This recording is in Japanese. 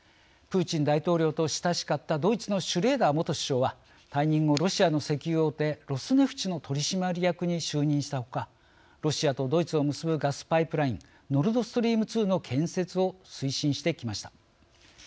プーチン大統領と親しかったドイツのシュレーダー元首相は退任後ロシアの石油大手ロスネフチの取締役に就任したほかロシアとドイツを結ぶガスパイプラインノルドストリーム２の建設を推進してきました。